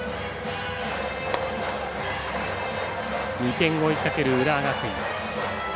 ２点を追いかける浦和学院。